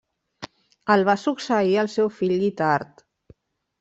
El va succeir el seu fill Guitard.